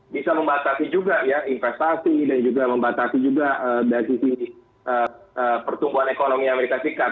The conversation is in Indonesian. bisa membatasi juga ya investasi dan juga membatasi juga dari sisi pertumbuhan ekonomi amerika serikat